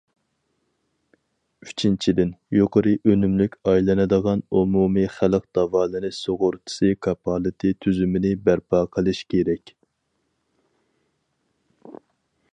ئۈچىنچىدىن، يۇقىرى ئۈنۈملۈك ئايلىنىدىغان ئومۇمىي خەلق داۋالىنىش سۇغۇرتىسى كاپالىتى تۈزۈمىنى بەرپا قىلىش كېرەك.